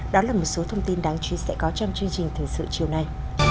đó là một số thông tin đáng chú ý sẽ có trong chương trình thời sự chiều nay